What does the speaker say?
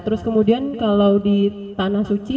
terus kemudian kalau di tanah suci